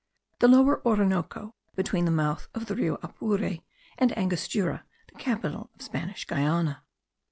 THE LOWER ORINOCO, BETWEEN THE MOUTH OF THE RIO APURE, AND ANGOSTURA THE CAPITAL OF SPANISH GUIANA.